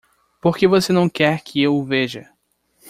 Por que você não quer que eu o veja?